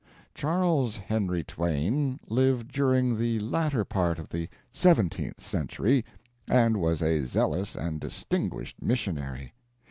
Charles Henry Twain lived during the latter part of the seventeenth century, and was a zealous and distinguished missionary.